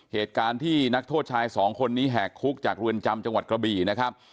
เหตุการณ์ที่นักโทษชายสองคนนี้แหกคุกจากเรือนจำจังหวัดกระบี่นะครับ